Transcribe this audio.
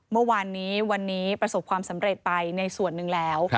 เมื่อวานนี้วันนี้ประสบความสำเร็จไปในส่วนหนึ่งแล้ว